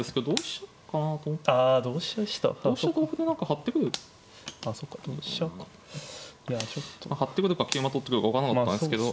張ってくるか桂馬取ってくるか分からなかったんですけど